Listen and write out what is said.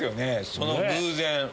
その偶然。